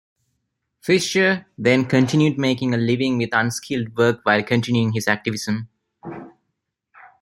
Fischer then continued making a living with unskilled work while continuing his activism.